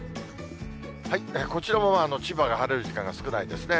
こちらも千葉が晴れる時間が少ないですね。